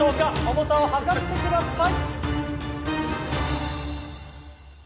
重さを量ってください。